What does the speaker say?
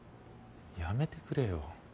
やめてくれよ。